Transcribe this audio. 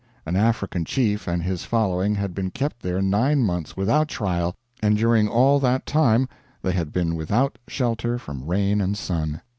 An African chief and his following had been kept there nine months without trial, and during all that time they had been without shelter from rain and sun.